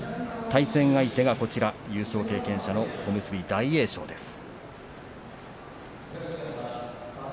対戦相手は優勝経験者の小結大栄翔です。